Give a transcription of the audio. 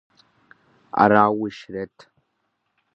Арауи щрет!